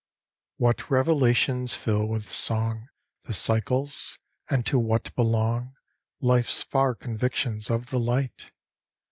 XIII What revelations fill with song The cycles? and to what belong Life's far convictions of the light?